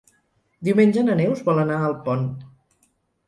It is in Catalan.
Diumenge na Neus vol anar a Alpont.